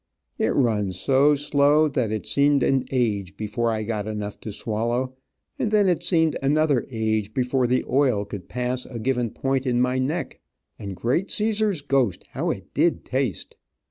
It run so slow that it seemed, an age before I got enough to swallow, and then it seemed another age before the oil could pass a given point in my neck. And great Caesar's ghost how it did taste.